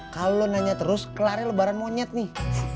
kalo lo nanya terus kelar lebaran monyet nih